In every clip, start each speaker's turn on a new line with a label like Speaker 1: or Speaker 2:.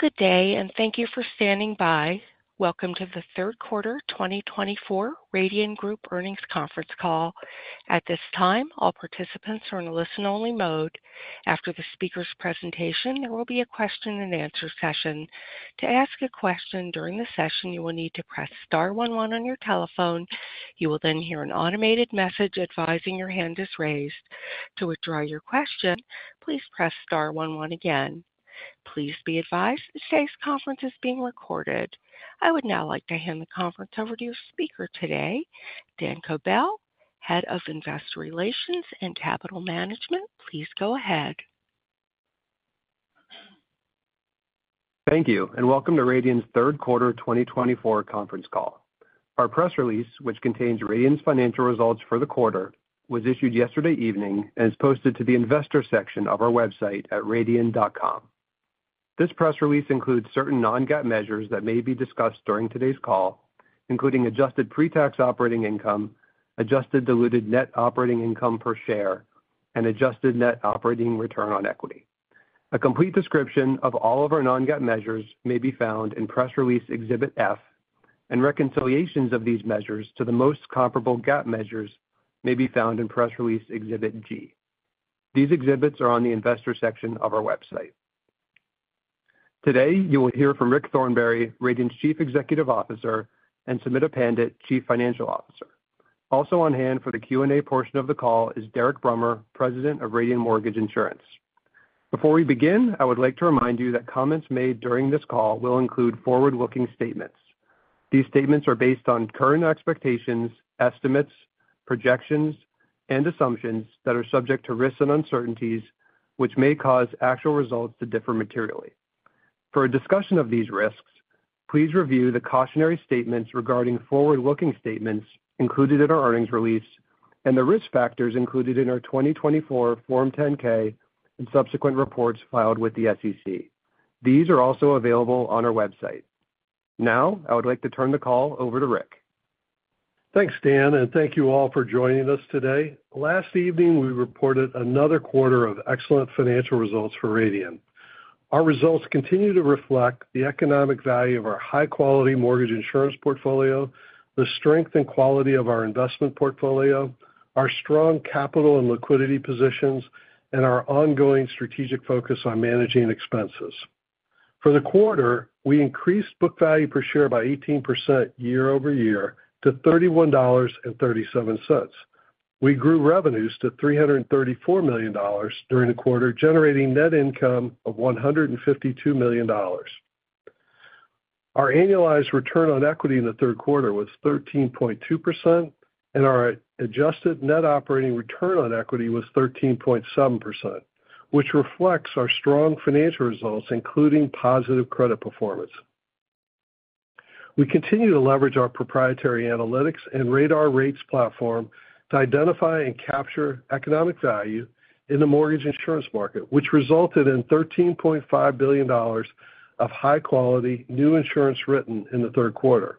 Speaker 1: Good day, and thank you for standing by. Welcome to the Q3 2024 Radian Group earnings conference call. At this time, all participants are in a listen-only mode. After the speaker's presentation, there will be a question-and-answer session. To ask a question during the session, you will need to press star 11 on your telephone. You will then hear an automated message advising your hand is raised. To withdraw your question, please press star 11 again. Please be advised that today's conference is being recorded. I would now like to hand the conference over to your speaker today, Dan Kobell, Head of Investor Relations and Capital Management. Please go ahead.
Speaker 2: Thank you, and welcome to Radian's Q3 2024 conference call. Our press release, which contains Radian's financial results for the quarter, was issued yesterday evening and is posted to the investor section of our website at radian.com. This press release includes certain non-GAAP measures that may be discussed during today's call, including adjusted pre-tax operating income, adjusted diluted net operating income per share, and adjusted net operating return on equity. A complete description of all of our non-GAAP measures may be found in press release exhibit F, and reconciliations of these measures to the most comparable GAAP measures may be found in press release exhibit G. These exhibits are on the investor section of our website. Today, you will hear from Rick Thornberry, Radian's Chief Executive Officer, and Sumita Pandit, Chief Financial Officer. Also on hand for the Q&A portion of the call is Derek Brummer, President of Radian Mortgage Insurance. Before we begin, I would like to remind you that comments made during this call will include forward-looking statements. These statements are based on current expectations, estimates, projections, and assumptions that are subject to risks and uncertainties, which may cause actual results to differ materially. For a discussion of these risks, please review the cautionary statements regarding forward-looking statements included in our earnings release and the risk factors included in our 2024 Form 10-K and subsequent reports filed with the SEC. These are also available on our website. Now, I would like to turn the call over to Rick.
Speaker 3: Thanks, Dan, and thank you all for joining us today. Last evening, we reported another quarter of excellent financial results for Radian. Our results continue to reflect the economic value of our high-quality mortgage insurance portfolio, the strength and quality of our investment portfolio, our strong capital and liquidity positions, and our ongoing strategic focus on managing expenses. For the quarter, we increased book value per share by 18% year over year to $31.37. We grew revenues to $334 million during the quarter, generating net income of $152 million. Our annualized return on equity in the Q3 was 13.2%, and our adjusted net operating return on equity was 13.7%, which reflects our strong financial results, including positive credit performance. We continue to leverage our proprietary analytics and Radar Rates platform to identify and capture economic value in the mortgage insurance market, which resulted in $13.5 billion of high-quality new insurance written in the Q3.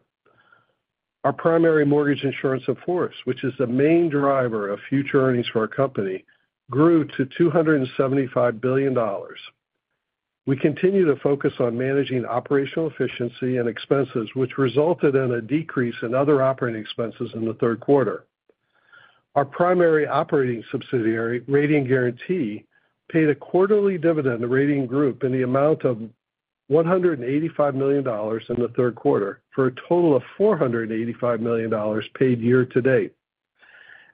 Speaker 3: Our primary mortgage insurance, of course, which is the main driver of future earnings for our company, grew to $275 billion. We continue to focus on managing operational efficiency and expenses, which resulted in a decrease in other operating expenses in the Q3. Our primary operating subsidiary, Radian Guaranty, paid a quarterly dividend to Radian Group in the amount of $185 million in the Q3 for a total of $485 million paid year to date.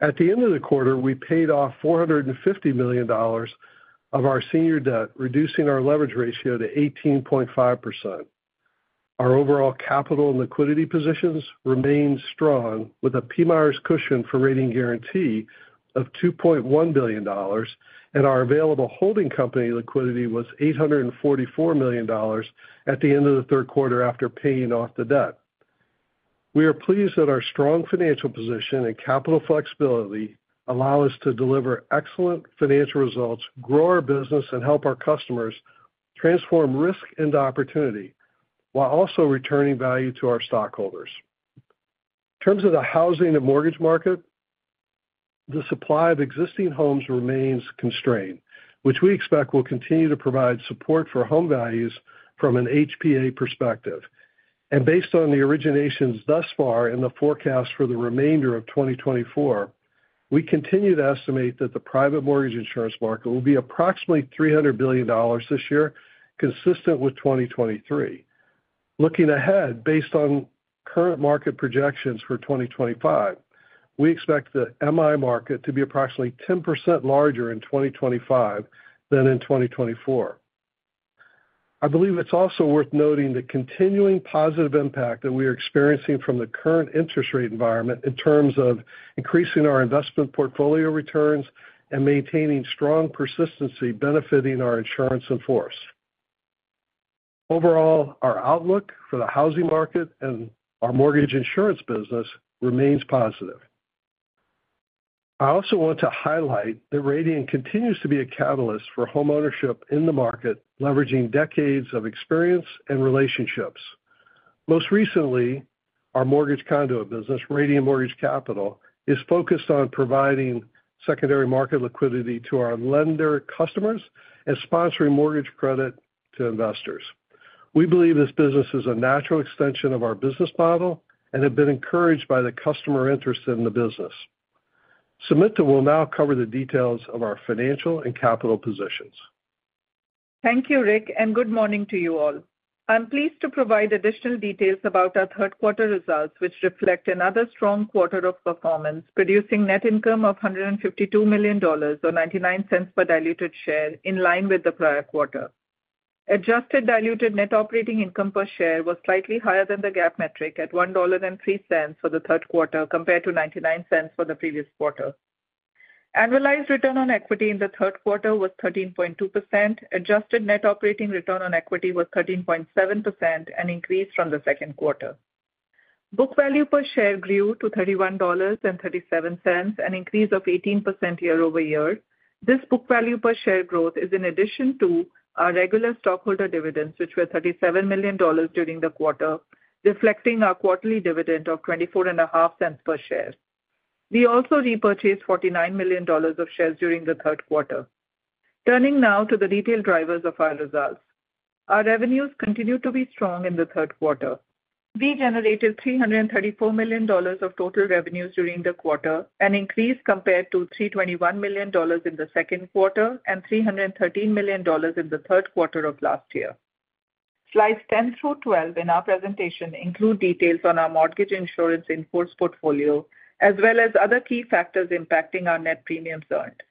Speaker 3: At the end of the quarter, we paid off $450 million of our senior debt, reducing our leverage ratio to 18.5%. Our overall capital and liquidity positions remained strong, with a PMIERs cushion for Radian Guaranty of $2.1 billion, and our available holding company liquidity was $844 million at the end of the Q3 after paying off the debt. We are pleased that our strong financial position and capital flexibility allow us to deliver excellent financial results, grow our business, and help our customers transform risk into opportunity while also returning value to our stockholders. In terms of the housing and mortgage market, the supply of existing homes remains constrained, which we expect will continue to provide support for home values from an HPA perspective, and based on the originations thus far in the forecast for the remainder of 2024, we continue to estimate that the private mortgage insurance market will be approximately $300 billion this year, consistent with 2023. Looking ahead, based on current market projections for 2025, we expect the MI market to be approximately 10% larger in 2025 than in 2024. I believe it's also worth noting the continuing positive impact that we are experiencing from the current interest rate environment in terms of increasing our investment portfolio returns and maintaining strong persistency benefiting our insurance in force. Overall, our outlook for the housing market and our mortgage insurance business remains positive. I also want to highlight that Radian continues to be a catalyst for homeownership in the market, leveraging decades of experience and relationships. Most recently, our mortgage conduit business, Radian Mortgage Capital, is focused on providing secondary market liquidity to our lender customers and sponsoring mortgage credit to investors. We believe this business is a natural extension of our business model and has been encouraged by the customer interest in the business. Sumita will now cover the details of our financial and capital positions.
Speaker 4: Thank you, Rick, and good morning to you all. I'm pleased to provide additional details about our Q3 results, which reflect another strong quarter of performance, producing net income of $152 million or $0.99 per diluted share in line with the prior quarter. Adjusted diluted net operating income per share was slightly higher than the GAAP metric at $1.03 for the Q3 compared to $0.99 for the previous quarter. Annualized return on equity in the Q3 was 13.2%. Adjusted net operating return on equity was 13.7%, an increase from the Q2. Book value per share grew to $31.37, an increase of 18% year over year. This book value per share growth is in addition to our regular stockholder dividends, which were $37 million during the quarter, reflecting our quarterly dividend of $0.245 per share. We also repurchased $49 million of shares during the Q3. Turning now to the retail drivers of our results, our revenues continued to be strong in the tQ3. We generated $334 million of total revenues during the quarter, an increase compared to $321 million in the Q2 and $313 million in the Q2 of last year. Slides 10 through 12 in our presentation include details on our mortgage insurance in force portfolio, as well as other key factors impacting our net premiums earned.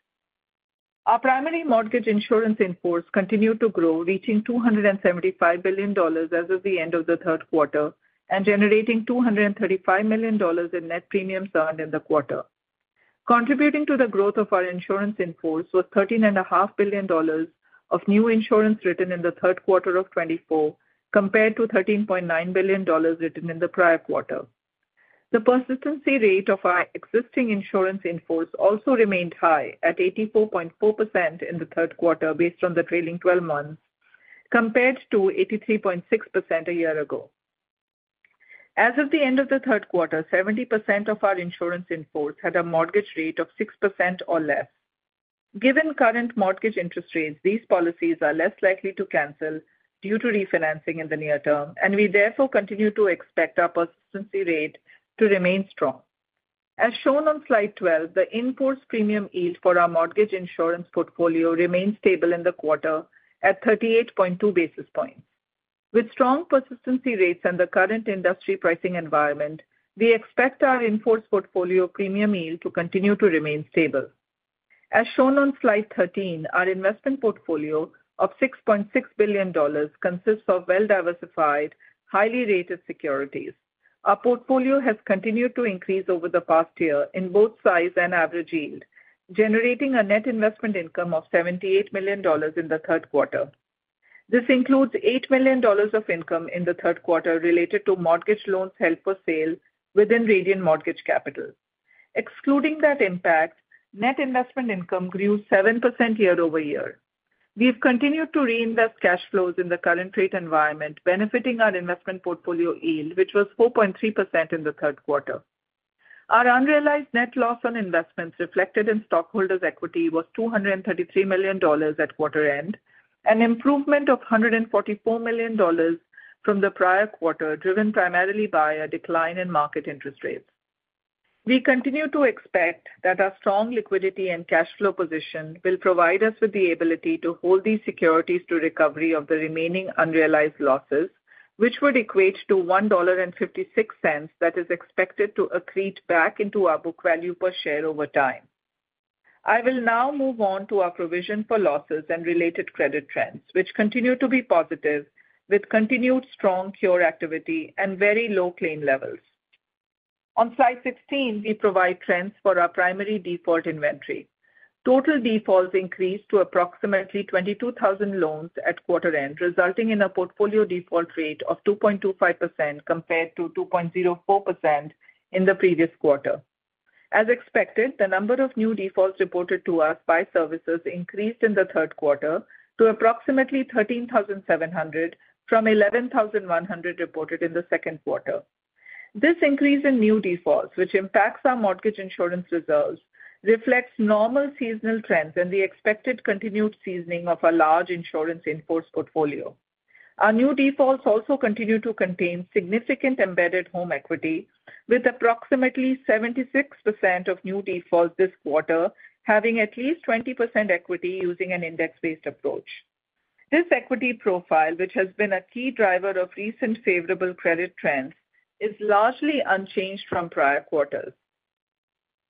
Speaker 4: Our primary mortgage insurance in force continued to grow, reaching $275 billion as of the end of the Q3 and generating $235 million in net premiums earned in the quarter. Contributing to the growth of our insurance in force was $13.5 billion of new insurance written in the Q3 of 2024, compared to $13.9 billion written in the prior quarter. The persistency rate of our existing insurance in force also remained high at 84.4% in the Q3, based on the trailing 12 months, compared to 83.6% a year ago. As of the end of the Q3, 70% of our insurance in force had a mortgage rate of 6% or less. Given current mortgage interest rates, these policies are less likely to cancel due to refinancing in the near term, and we therefore continue to expect our persistency rate to remain strong. As shown on slide 12, the in force premium yield for our mortgage insurance portfolio remained stable in the quarter at 38.2 basis points. With strong persistency rates and the current industry pricing environment, we expect our in force portfolio premium yield to continue to remain stable. As shown on slide 13, our investment portfolio of $6.6 billion consists of well-diversified, highly rated securities. Our portfolio has continued to increase over the past year in both size and average yield, generating a net investment income of $78 million in the Q3. This includes $8 million of income in the Q3 related to mortgage loans held for sale within Radian Mortgage Capital. Excluding that impact, net investment income grew 7% year over year. We have continued to reinvest cash flows in the current rate environment, benefiting our investment portfolio yield, which was 4.3% in the Q3. Our unrealized net loss on investments reflected in stockholders' equity was $233 million at quarter end, an improvement of $144 million from the prior quarter, driven primarily by a decline in market interest rates. We continue to expect that our strong liquidity and cash flow position will provide us with the ability to hold these securities to recovery of the remaining unrealized losses, which would equate to $1.56 that is expected to accrete back into our book value per share over time. I will now move on to our provision for losses and related credit trends, which continue to be positive, with continued strong cure activity and very low claim levels. On slide 16, we provide trends for our primary default inventory. Total defaults increased to approximately 22,000 loans at quarter end, resulting in a portfolio default rate of 2.25% compared to 2.04% in the previous quarter. As expected, the number of new defaults reported to us by servicers increased in the Q3 to approximately 13,700 from 11,100 reported in the Q2. This increase in new defaults, which impacts our mortgage insurance reserves, reflects normal seasonal trends and the expected continued seasoning of our large insurance in force portfolio. Our new defaults also continue to contain significant embedded home equity, with approximately 76% of new defaults this quarter having at least 20% equity using an index-based approach. This equity profile, which has been a key driver of recent favorable credit trends, is largely unchanged from prior quarters.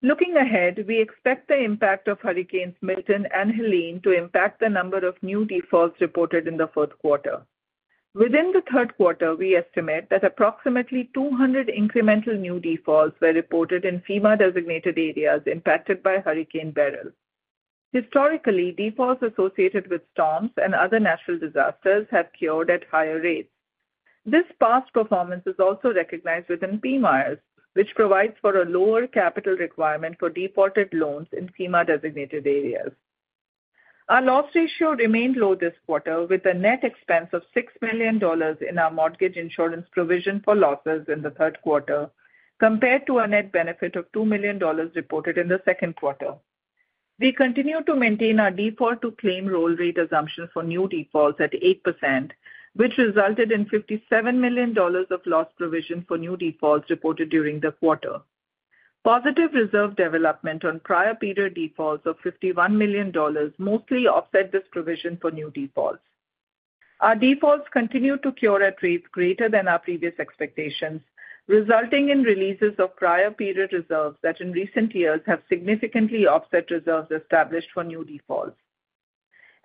Speaker 4: Looking ahead, we expect the impact of Hurricanes Milton and Helene to impact the number of new defaults reported in the Q4. Within the Q3, we estimate that approximately 200 incremental new defaults were reported in FEMA-designated areas impacted by Hurricane Beryl. Historically, defaults associated with storms and other natural disasters have cured at higher rates. This past performance is also recognized within PMIRS, which provides for a lower capital requirement for defaulted loans in FEMA-designated areas. Our loss ratio remained low this quarter, with a net expense of $6 million in our mortgage insurance provision for losses in the Q3, compared to a net benefit of $2 million reported in the Q2. We continue to maintain our default-to-claim roll rate assumption for new defaults at 8%, which resulted in $57 million of loss provision for new defaults reported during the quarter. Positive reserve development on prior period defaults of $51 million mostly offset this provision for new defaults. Our defaults continue to cure at rates greater than our previous expectations, resulting in releases of prior period reserves that in recent years have significantly offset reserves established for new defaults.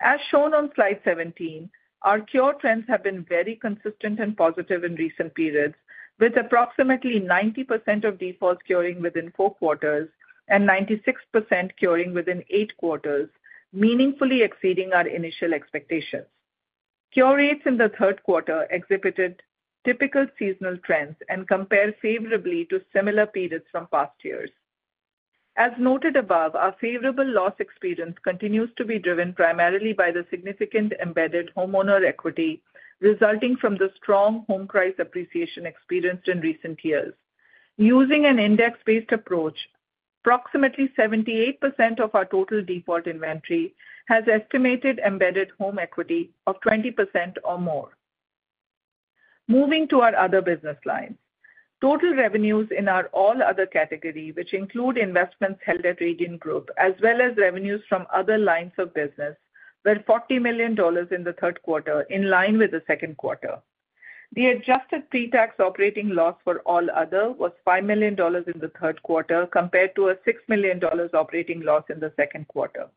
Speaker 4: As shown on slide 17, our cure trends have been very consistent and positive in recent periods, with approximately 90% of defaults curing within Q4 and 96% curing within Q8, meaningfully exceeding our initial expectations. Cure rates in the Q3 exhibited typical seasonal trends and compared favorably to similar periods from past years. As noted above, our favorable loss experience continues to be driven primarily by the significant embedded homeowner equity resulting from the strong home price appreciation experienced in recent years. Using an index-based approach, approximately 78% of our total default inventory has estimated embedded home equity of 20% or more. Moving to our other business lines, total revenues in our all-other category, which include investments held at Radian Group, as well as revenues from other lines of business, were $40 million in the Q3, in line with the Q2. The adjusted pre-tax operating loss for all-other was $5 million in the Q3 compared to a $6 million operating loss in the Q2.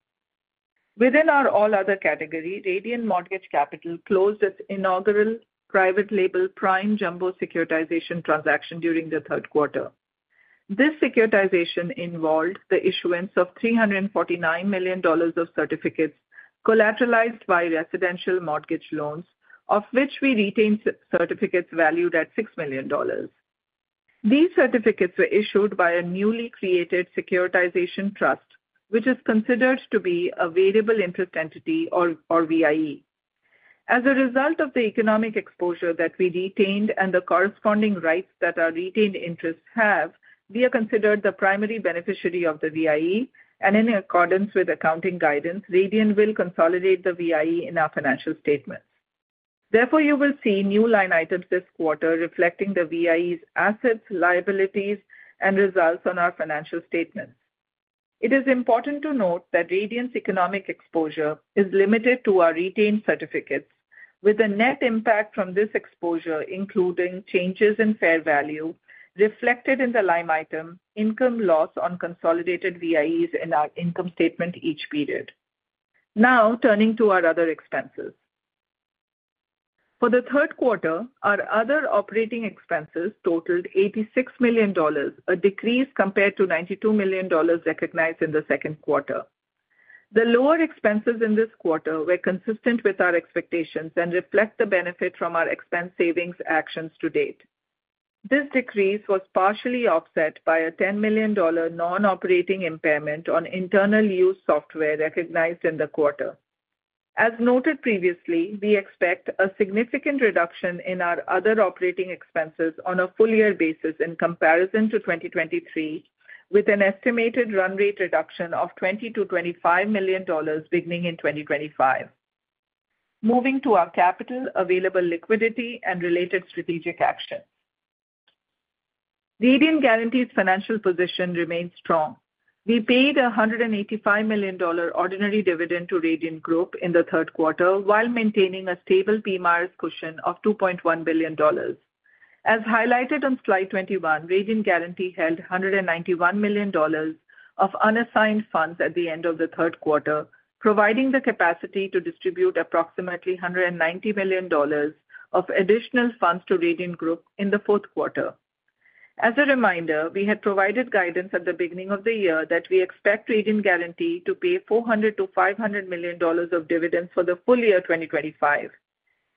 Speaker 4: Within our all-other category, Radian Mortgage Capital closed its inaugural private label Prime Jumbo securitization transaction during the Q3. This securitization involved the issuance of $349 million of certificates collateralized by residential mortgage loans, of which we retained certificates valued at $6 million. These certificates were issued by a newly created securitization trust, which is considered to be a variable interest entity or VIE. As a result of the economic exposure that we retained and the corresponding rights that our retained interests have, we are considered the primary beneficiary of the VIE, and in accordance with accounting guidance, Radian will consolidate the VIE in our financial statements. Therefore, you will see new line items this quarter reflecting the VIE's assets, liabilities, and results on our financial statements. It is important to note that Radian's economic exposure is limited to our retained certificates, with a net impact from this exposure including changes in fair value reflected in the line item income loss on consolidated VIEs in our income statement each period. Now, turning to our other expenses. For the Q3, our other operating expenses totaled $86 million, a decrease compared to $92 million recognized in the Q2. The lower expenses in this quarter were consistent with our expectations and reflect the benefit from our expense savings actions to date. This decrease was partially offset by a $10 million non-operating impairment on internal use software recognized in the quarter. As noted previously, we expect a significant reduction in our other operating expenses on a full-year basis in comparison to 2023, with an estimated run rate reduction of $20-$25 million beginning in 2025. Moving to our capital, available liquidity, and related strategic actions. Radian Guaranty's financial position remains strong. We paid a $185 million ordinary dividend to Radian Group in the Q3 while maintaining a stable PMIRS cushion of $2.1 billion. As highlighted on slide 21, Radian Guaranty held $191 million of unassigned funds at the end of the Q3, providing the capacity to distribute approximately $190 million of additional funds to Radian Group in the Q4. As a reminder, we had provided guidance at the beginning of the year that we expect Radian Guaranty to pay $400-$500 million of dividends for the full year 2025.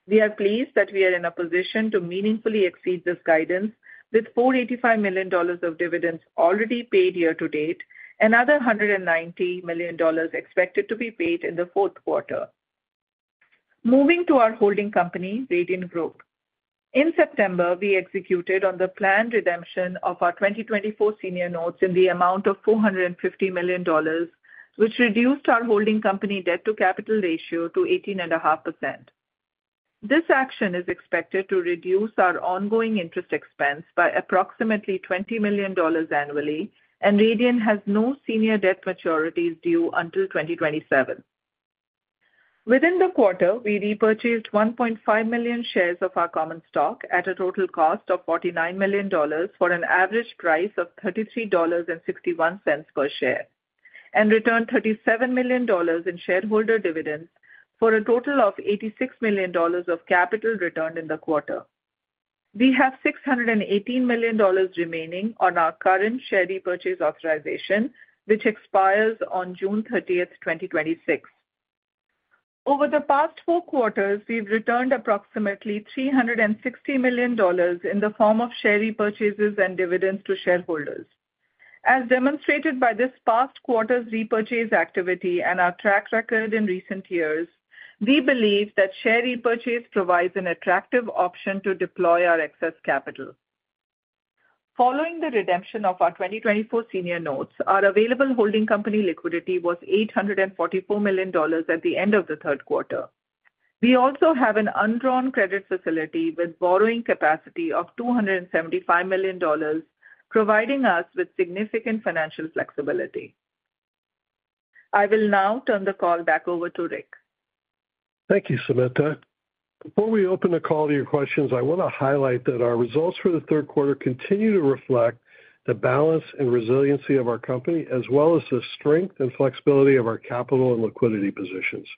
Speaker 4: We are pleased that we are in a position to meaningfully exceed this guidance, with $485 million of dividends already paid year to date and another $190 million expected to be paid in the Q4. Moving to our holding company, Radian Group. In September, we executed on the planned redemption of our 2024 senior notes in the amount of $450 million, which reduced our holding company debt-to-capital ratio to 18.5%. This action is expected to reduce our ongoing interest expense by approximately $20 million annually, and Radian has no senior debt maturities due until 2027. Within the quarter, we repurchased 1.5 million shares of our common stock at a total cost of $49 million for an average price of $33.61 per share and returned $37 million in shareholder dividends for a total of $86 million of capital returned in the quarter. We have $618 million remaining on our current share repurchase authorization, which expires on June 30, 2026. Over the past Q4, we've returned approximately $360 million in the form of share repurchases and dividends to shareholders. As demonstrated by this past quarter's repurchase activity and our track record in recent years, we believe that share repurchase provides an attractive option to deploy our excess capital. Following the redemption of our 2024 senior notes, our available holding company liquidity was $844 million at the end of the Q3. We also have an undrawn credit facility with borrowing capacity of $275 million, providing us with significant financial flexibility. I will now turn the call back over to Rick. Thank you, Sumita.
Speaker 3: Before we open the call to your questions, I want to highlight that our results for the Q3 continue to reflect the balance and resiliency of our company, as well as the strength and flexibility of our capital and liquidity positions.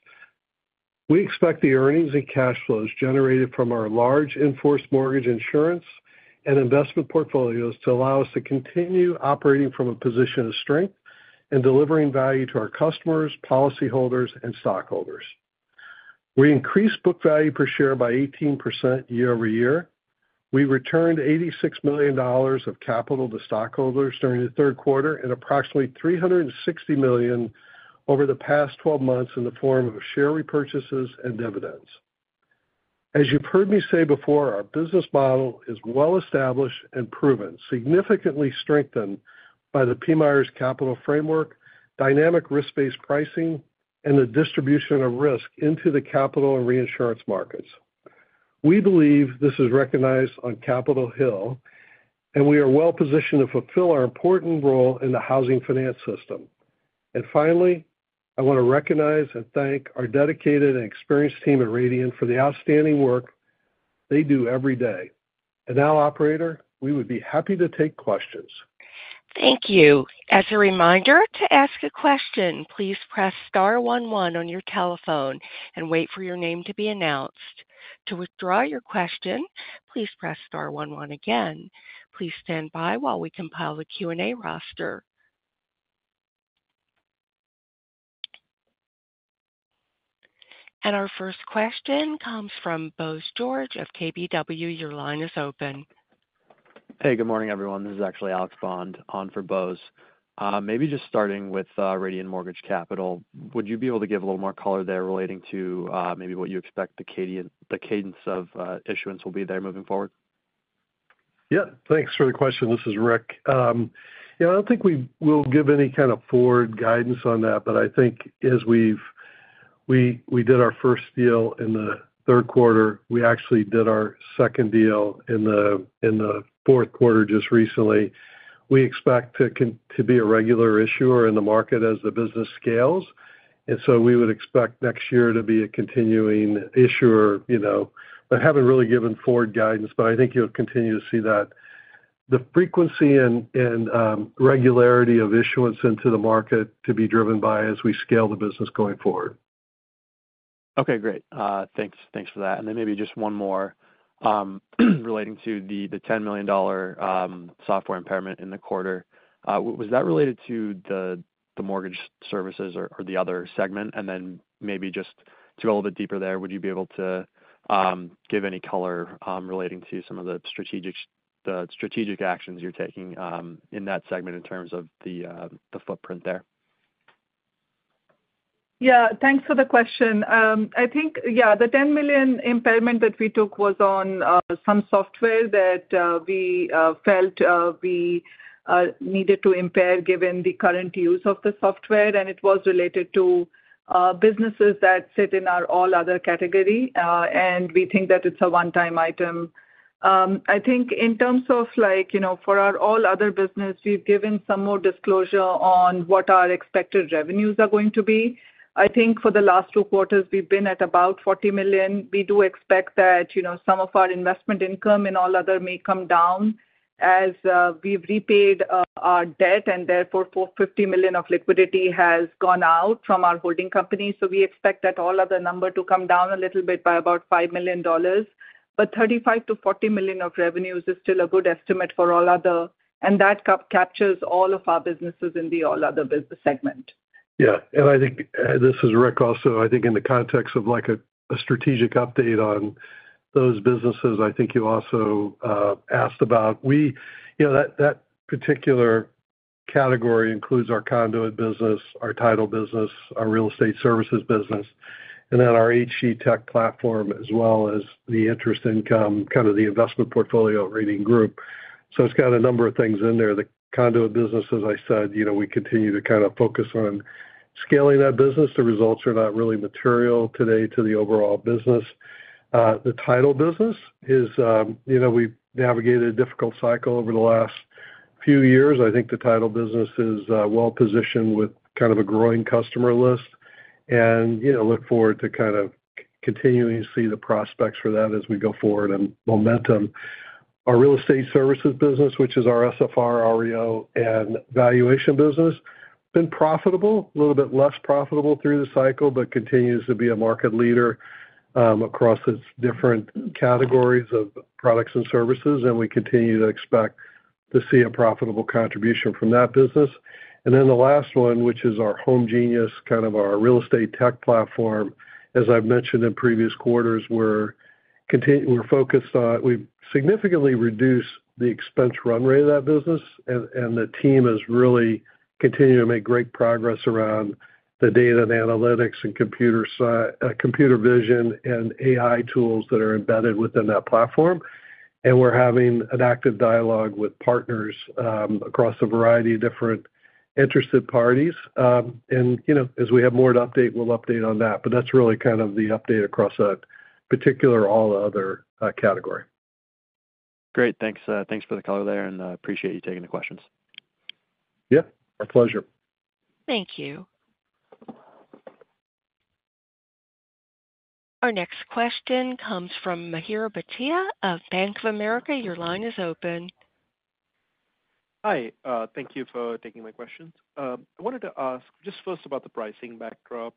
Speaker 3: We expect the earnings and cash flows generated from our large in-force mortgage insurance and investment portfolios to allow us to continue operating from a position of strength and delivering value to our customers, policyholders, and stockholders. We increased book value per share by 18% year over year. We returned $86 million of capital to stockholders during the Q3 and approximately $360 million over the past 12 months in the form of share repurchases and dividends. As you've heard me say before, our business model is well established and proven, significantly strengthened by the PMIRS capital framework, dynamic risk-based pricing, and the distribution of risk into the capital and reinsurance markets. We believe this is recognized on Capitol Hill, and we are well positioned to fulfill our important role in the housing finance system, and finally, I want to recognize and thank our dedicated and experienced team at Radian for the outstanding work they do every day, and now, operator, we would be happy to take questions.
Speaker 1: Thank you. As a reminder, to ask a question, please press star 11 on your telephone and wait for your name to be announced. To withdraw your question, please press star 11 again. Please stand by while we compile the Q&A roster, and our first question comes from Bose George of KBW. Your line is open.
Speaker 5: Hey, good morning, everyone. This is actually Alex Bond on for Bose. Maybe just starting with Radian Mortgage Capital, would you be able to give a little more color there relating to maybe what you expect the cadence of issuance will be there moving forward? Yep. Thanks for the question. This is Rick. Yeah, I don't think we will give any kind of forward guidance on that, but I think as we did our first deal in the Q3, we actually did our second deal in the Q4 just recently. We expect to be a regular issuer in the market as the business scales. And so we would expect next year to be a continuing issuer, but haven't really given forward guidance, but I think you'll continue to see that. The frequency and regularity of issuance into the market to be driven by as we scale the business going forward.
Speaker 3: Okay, great. Thanks for that. And then maybe just one more relating to the $10 million software impairment in the quarter. Was that related to the mortgage services or the other segment? And then maybe just to go a little bit deeper there, would you be able to give any color relating to some of the strategic actions you're taking in that segment in terms of the footprint there?
Speaker 4: Yeah. Thanks for the question. I think, yeah, the $10 million impairment that we took was on some software that we felt we needed to impair given the current use of the software, and it was related to businesses that sit in our all-other category, and we think that it's a one-time item. I think in terms of for our all-other business, we've given some more disclosure on what our expected revenues are going to be. I think for the last Q2, we've been at about $40 million. We do expect that some of our investment income in all-other may come down as we've repaid our debt, and therefore $50 million of liquidity has gone out from our holding company. So we expect that all-other number to come down a little bit by about $5 million, but $35-$40 million of revenues is still a good estimate for all-other, and that captures all of our businesses in the all-other business segment.
Speaker 5: Yeah. And I think this is Rick also. I think in the context of a strategic update on those businesses, I think you also asked about that particular category includes our conduit business, our title business, our real estate services business, and then our HE tech platform, as well as the interest income, kind of the investment portfolio at Radian Group. So it's got a number of things in there. The conduit business, as I said, we continue to kind of focus on scaling that business. The results are not really material today to the overall business. The title business is we've navigated a difficult cycle over the last few years. I think the title business is well positioned with kind of a growing customer list, and look forward to kind of continuing to see the prospects for that as we go forward and momentum. Our real estate services business, which is our SFR, REO, and valuation business, been profitable, a little bit less profitable through the cycle, but continues to be a market leader across its different categories of products and services, and we continue to expect to see a profitable contribution from that business. And then the last one, which is our HomeGenius, kind of our real estate tech platform, as I've mentioned in previous quarters, we're focused on we've significantly reduced the expense run rate of that business, and the team has really continued to make great progress around the data and analytics and computer vision and AI tools that are embedded within that platform. And we're having an active dialogue with partners across a variety of different interested parties. And as we have more to update, we'll update on that, but that's really kind of the update across a particular all-other category. Great. Thanks for the color there, and appreciate you taking the questions. Yeah. Our pleasure.
Speaker 1: Thank you. Our next question comes from Mahira Bhatia of Bank of America. Your line is open.
Speaker 6: Hi. Thank you for taking my questions. I wanted to ask just first about the pricing backdrop.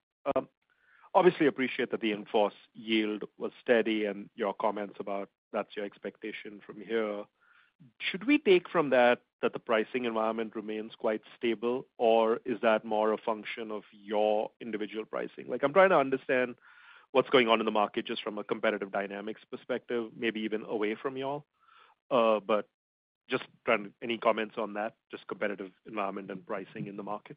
Speaker 6: Obviously, appreciate that the in-force yield was steady and your comments about that's your expectation from here. Should we take from that that the pricing environment remains quite stable, or is that more a function of your individual pricing? I'm trying to understand what's going on in the market just from a competitive dynamics perspective, maybe even away from y'all, but just any comments on that, just competitive environment and pricing in the market?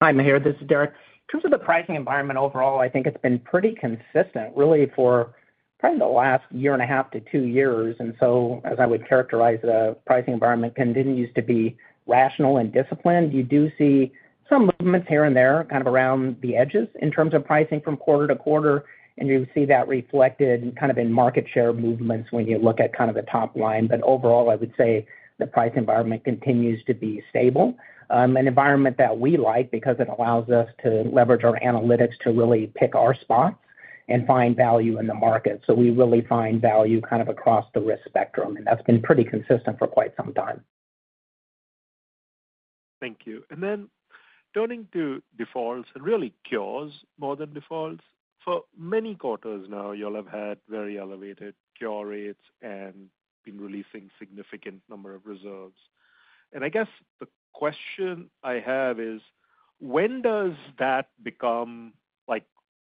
Speaker 4: Hi, Mahira. This is Derek. In terms of the pricing environment overall, I think it's been pretty consistent, really, for probably the last year and a half to two years. And so as I would characterize the pricing environment, continues to be rational and disciplined. You do see some movements here and there, kind of around the edges in terms of pricing from quarter -to -quarter, and you see that reflected kind of in market share movements when you look at kind of the top line. But overall, I would say the price environment continues to be stable, an environment that we like because it allows us to leverage our analytics to really pick our spots and find value in the market. So we really find value kind of across the risk spectrum, and that's been pretty consistent for quite some time.
Speaker 6: Thank you. And then turning to defaults and really cures more than defaults, for many quarters now, y'all have had very elevated cure rates and been releasing a significant number of reserves. And I guess the question I have is, when does that become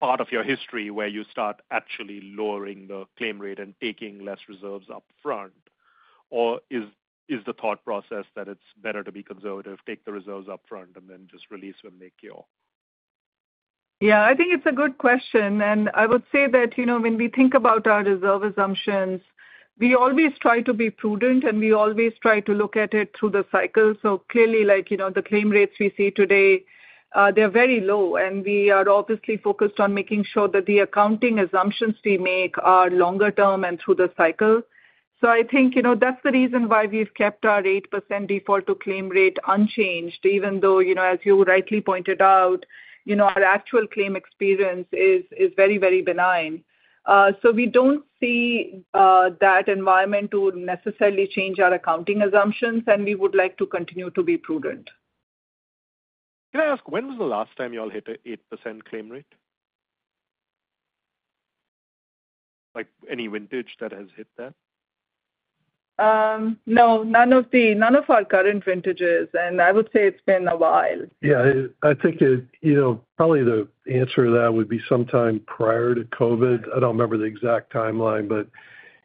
Speaker 6: part of your history where you start actually lowering the claim rate and taking less reserves upfront, or is the thought process that it's better to be conservative, take the reserves upfront, and then just release when they cure
Speaker 4: Yeah, I think it's a good question. And I would say that when we think about our reserve assumptions, we always try to be prudent, and we always try to look at it through the cycle. So clearly, the claim rates we see today, they're very low, and we are obviously focused on making sure that the accounting assumptions we make are longer term and through the cycle. So I think that's the reason why we've kept our 8% default to claim rate unchanged, even though, as you rightly pointed out, our actual claim experience is very, very benign. So we don't see that environment to necessarily change our accounting assumptions, and we would like to continue to be prudent. Can I ask, when was the last time y'all hit an 8% claim rate? Any vintage that has hit that? No, none of our current vintages, and I would say it's been a while.
Speaker 3: Yeah. I think probably the answer to that would be sometime prior to COVID. I don't remember the exact timeline, but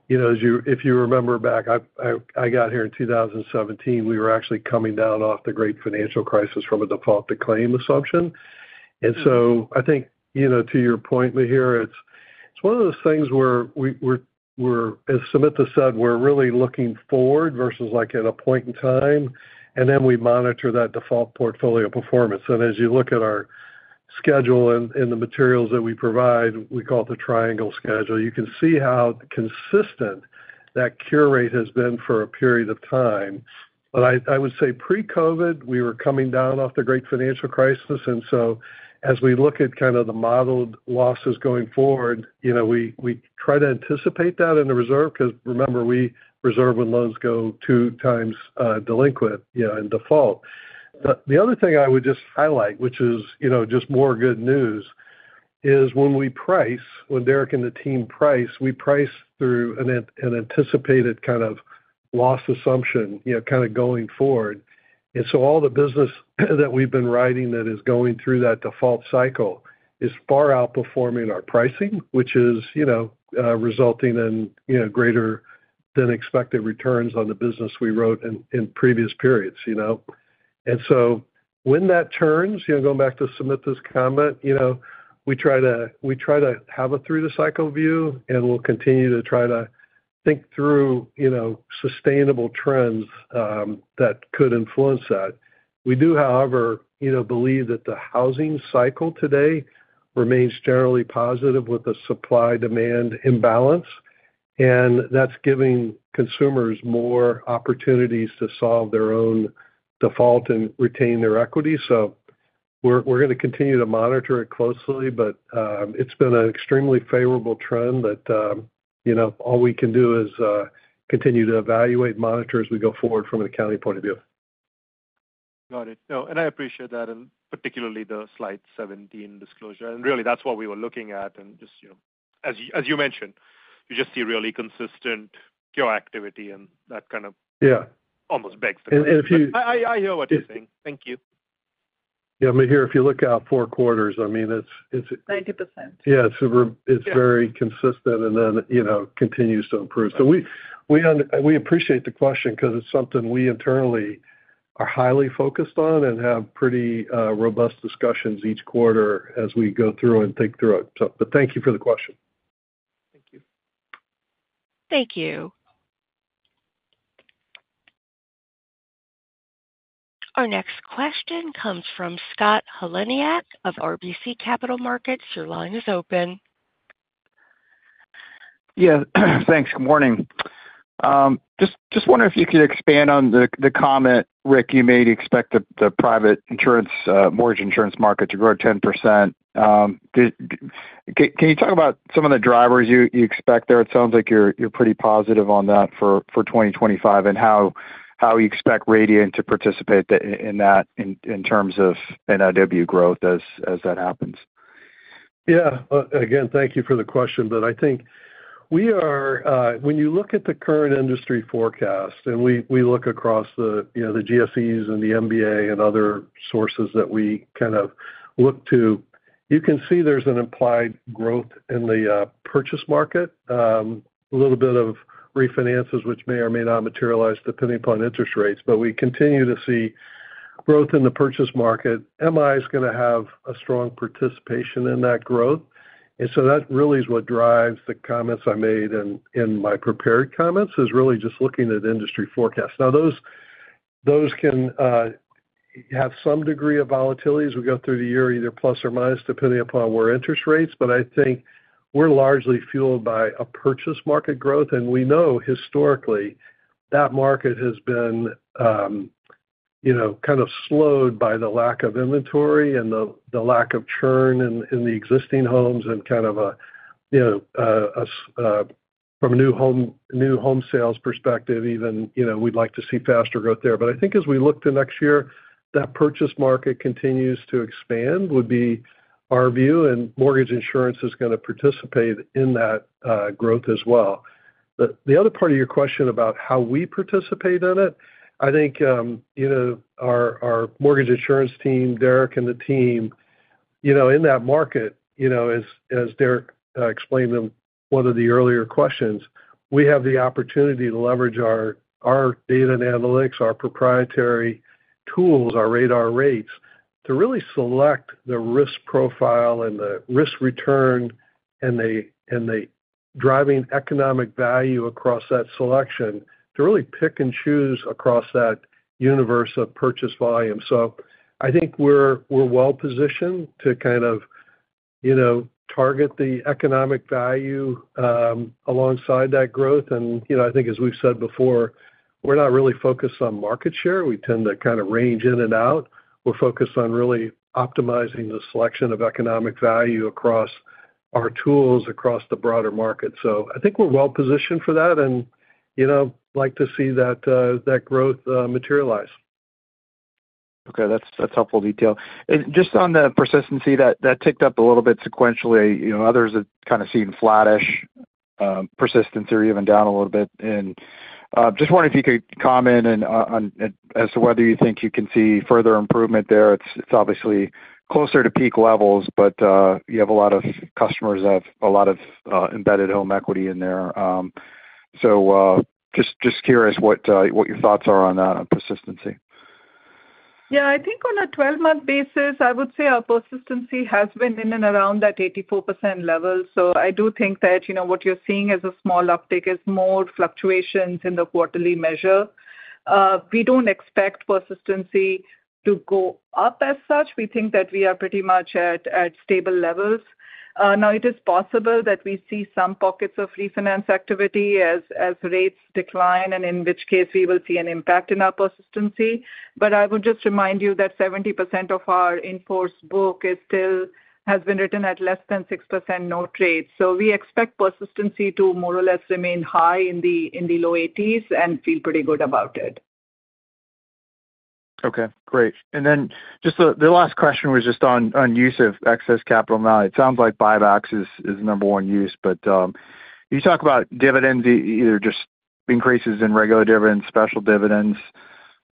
Speaker 3: if you remember back, I got here in 2017, we were actually coming down off the great financial crisis from a default to claim assumption. And so I think to your point, Mahira, it's one of those things where we're, as Samantha said, we're really looking forward versus an appointed time, and then we monitor that default portfolio performance. And as you look at our schedule and the materials that we provide, we call it the triangle schedule, you can see how consistent that CURE rate has been for a period of time. But I would say pre-COVID, we were coming down off the great financial crisis. And so as we look at kind of the modeled losses going forward, we try to anticipate that in the reserve because remember, we reserve when loans go two times delinquent and default. The other thing I would just highlight, which is just more good news, is when we price, when Derek and the team price, we price through an anticipated kind of loss assumption kind of going forward. And so all the business that we've been writing that is going through that default cycle is far outperforming our pricing, which is resulting in greater than expected returns on the business we wrote in previous periods. And so when that turns, going back to Samantha's comment, we try to have a through-the-cycle view, and we'll continue to try to think through sustainable trends that could influence that. We do, however, believe that the housing cycle today remains generally positive with a supply-demand imbalance, and that's giving consumers more opportunities to solve their own default and retain their equity. So we're going to continue to monitor it closely, but it's been an extremely favorable trend that all we can do is continue to evaluate, monitor as we go forward from an accounting point of view. Got it. And I appreciate that, and particularly the slide 17 disclosure. And really, that's what we were looking at. And just as you mentioned, you just see really consistent CURE activity, and that kind of almost begs the question. I hear what you're saying. Thank you. Yeah. Mahira, if you look at Q4, I mean, it's 90%. Yeah. So it's very consistent and then continues to improve. So we appreciate the question because it's something we internally are highly focused on and have pretty robust discussions each quarter as we go through and think through it. But thank you for the question. Thank you.
Speaker 6: Thank you.
Speaker 1: Our next question comes from Scott Heleniak of RBC Capital Markets. Your line is open.
Speaker 7: Yeah. Thanks. Good morning. Just wondering if you could expand on the comment, Rick, you made expect the private mortgage insurance market to grow 10%. Can you talk about some of the drivers you expect there? It sounds like you're pretty positive on that for 2025 and how you expect Radian to participate in that in terms of NIW growth as that happens. Yeah. Again, thank you for the question, but I think when you look at the current industry forecast, and we look across the GSEs and the MBA and other sources that we kind of look to, you can see there's an implied growth in the purchase market, a little bit of refinances, which may or may not materialize depending upon interest rates, but we continue to see growth in the purchase market. MI is going to have a strong participation in that growth, and so that really is what drives the comments I made in my prepared comments is really just looking at industry forecasts. Now, those can have some degree of volatility as we go through the year, either plus or minus, depending upon where interest rates, but I think we're largely fueled by a purchase market growth, and we know historically that market has been kind of slowed by the lack of inventory and the lack of churn in the existing homes and kind of from a new home sales perspective, even we'd like to see faster growth there, but I think as we look to next year, that purchase market continues to expand would be our view, and mortgage insurance is going to participate in that growth as well. The other part of your question about how we participate in it, I think our mortgage insurance team, Derek and the team, in that market, as Derek explained in one of the earlier questions, we have the opportunity to leverage our data and analytics, our proprietary tools, our Radar Rates to really select the risk profile and the risk return and the driving economic value across that selection to really pick and choose across that universe of purchase volume. So I think we're well positioned to kind of target the economic value alongside that growth, and I think as we've said before, we're not really focused on market share. We tend to kind of range in and out. We're focused on really optimizing the selection of economic value across our tools across the broader market. So I think we're well positioned for that, and I'd like to see that growth materialize.
Speaker 3: Okay. That's helpful detail. And just on the persistency, that ticked up a little bit sequentially. Others have kind of seen flattish persistency or even down a little bit. And just wondering if you could comment as to whether you think you can see further improvement there. It's obviously closer to peak levels, but you have a lot of customers that have a lot of embedded home equity in there. So just curious what your thoughts are on that persistency.
Speaker 4: Yeah. I think on a 12-month basis, I would say our persistency has been in and around that 84% level. So I do think that what you're seeing as a small uptick is more fluctuations in the quarterly measure. We don't expect persistency to go up as such. We think that we are pretty much at stable levels. Now, it is possible that we see some pockets of refinance activity as rates decline, and in which case, we will see an impact in our persistency. But I would just remind you that 70% of our in force book has been written at less than 6% note rate. So we expect persistency to more or less remain high in the low 80s and feel pretty good about it.
Speaker 7: Okay. Great. And then just the last question was just on use of excess capital now. It sounds like buybacks is the number one use, but you talk about dividends, either just increases in regular dividends, special dividends,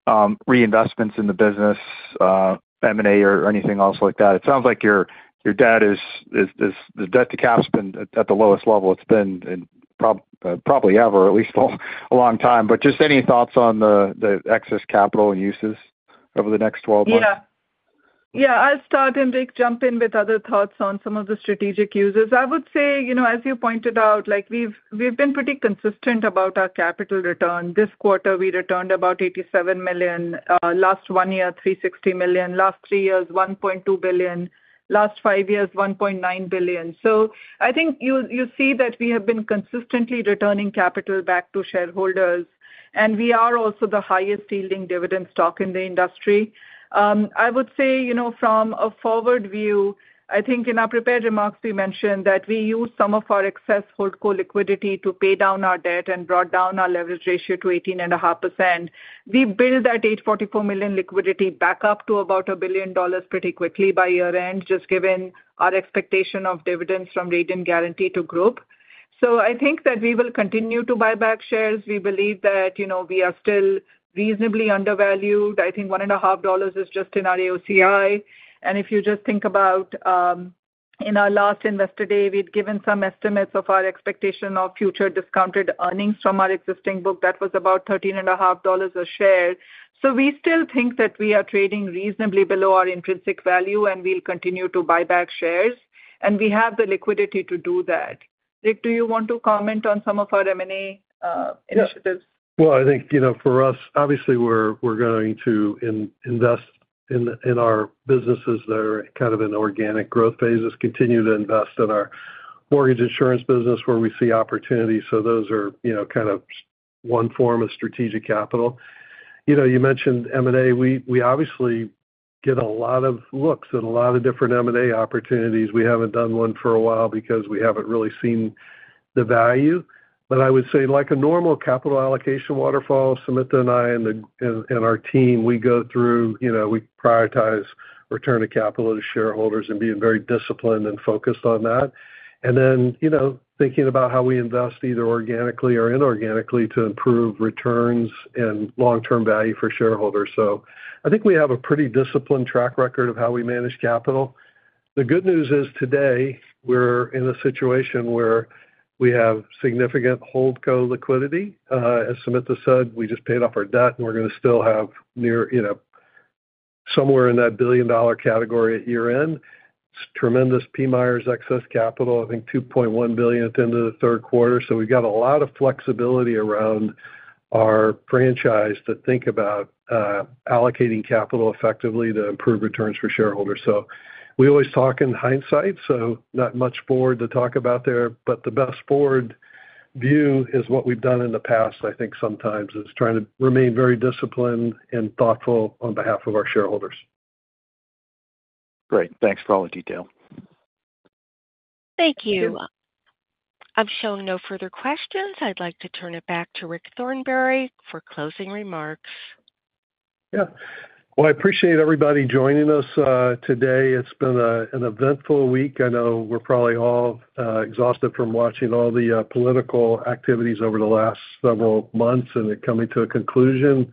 Speaker 7: reinvestments in the business, M&A, or anything else like that. It sounds like your debt to cap has been at the lowest level. It's been probably ever, at least a long time. But just any thoughts on the excess capital and uses over the next 12 months?
Speaker 4: Yeah. Yeah. I'll start and jump in with other thoughts on some of the strategic uses. I would say, as you pointed out, we've been pretty consistent about our capital return. This quarter, we returned about $87 million. Last one year, $360 million. Last three years, $1.2 billion. Last five years, $1.9 billion. So I think you see that we have been consistently returning capital back to shareholders, and we are also the highest-yielding dividend stock in the industry. I would say from a forward view, I think in our prepared remarks, we mentioned that we used some of our excess Holdco liquidity to pay down our debt and brought down our leverage ratio to 18.5%. We built that $844 million liquidity back up to about $1 billion pretty quickly by year-end, just given our expectation of dividends from Radian Guaranty to Group, so I think that we will continue to buy back shares. We believe that we are still reasonably undervalued. I think $1.50 is just in our AOCI, and if you just think about in our last investor day, we'd given some estimates of our expectation of future discounted earnings from our existing book. That was about $13.50 a share, so we still think that we are trading reasonably below our intrinsic value, and we'll continue to buy back shares, and we have the liquidity to do that. Rick, do you want to comment on some of our M&A initiatives?
Speaker 3: I think for us, obviously, we're going to invest in our businesses that are kind of in organic growth phases, continue to invest in our mortgage insurance business where we see opportunities. Those are kind of one form of strategic capital. You mentioned M&A. We obviously get a lot of looks at a lot of different M&A opportunities. We haven't done one for a while because we haven't really seen the value. I would say like a normal capital allocation waterfall, Sumita and I and our team, we go through, we prioritize return of capital to shareholders and being very disciplined and focused on that, thinking about how we invest either organically or inorganically to improve returns and long-term value for shareholders. I think we have a pretty disciplined track record of how we manage capital. The good news is today, we're in a situation where we have significant Holdco liquidity. As Samantha said, we just paid off our debt, and we're going to still have somewhere in that $1 billion category at year-end. It's tremendous PMIRS excess capital, I think $2.1 billion at the end of the third quarter. So we've got a lot of flexibility around our franchise to think about allocating capital effectively to improve returns for shareholders. So we always talk in hindsight, so not much forward to talk about there, but the best forward view is what we've done in the past, I think sometimes, is trying to remain very disciplined and thoughtful on behalf of our shareholders.
Speaker 7: Great. Thanks for all the detail.
Speaker 1: Thank you. I'm showing no further questions. I'd like to turn it back to Rick Thornberry for closing remarks.
Speaker 3: Yeah. Well, I appreciate everybody joining us today. It's been an eventful week. I know we're probably all exhausted from watching all the political activities over the last several months and coming to a conclusion.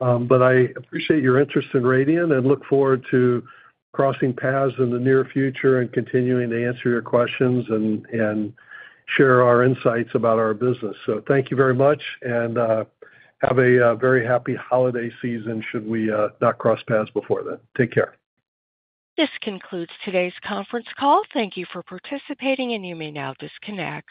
Speaker 3: But I appreciate your interest in Radian and look forward to crossing paths in the near future and continuing to answer your questions and share our insights about our business. So thank you very much, and have a very happy holiday season should we not cross paths before then. Take care.
Speaker 1: This concludes today's conference call. Thank you for participating, and you may now disconnect.